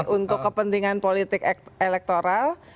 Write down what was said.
untuk kepentingan politik elektoral